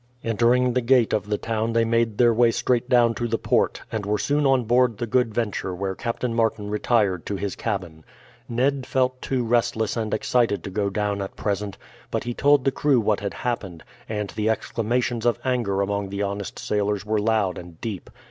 Entering the gate of the town they made their way straight down to the port, and were soon on board the Good Venture where Captain Martin retired to his cabin. Ned felt too restless and excited to go down at present; but he told the crew what had happened, and the exclamations of anger among the honest sailors were loud and deep.